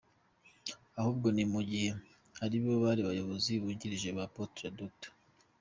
Ahubwo ni mu gihe aribo bari abayobozi bungirije ba Apôtre Dr.